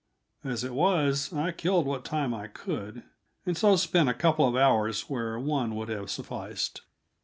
As it was, I killed what time I could, and so spent a couple of hours where one would have sufficed.